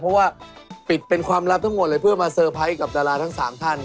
เพราะว่าปิดเป็นความลับทั้งหมดเลยเพื่อมาเตอร์ไพรส์กับดาราทั้ง๓ท่าน